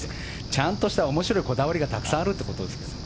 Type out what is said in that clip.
ちゃんとした面白いこだわりがたくさんあるということです。